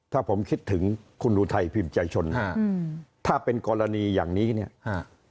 ถ้าผมคิดถึงคุณอุทัยพิมพ์ใจชนอ่าอืมถ้าเป็นกรณีอย่างนี้เนี่ยอ่า